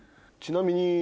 ちなみに。